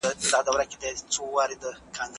مساپري د هر پښتون زلمي د ژوند یوه لویه ازموینه ده.